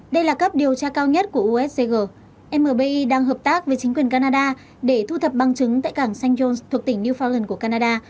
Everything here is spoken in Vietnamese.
đây là cấp điều tra cao nhất của uscg mbi đang hợp tác với chính quyền canada để thu thập bằng chứng tại cảng st john s thuộc tỉnh newfoundland của canada